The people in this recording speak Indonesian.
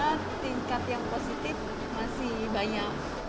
karena tingkat yang positif masih banyak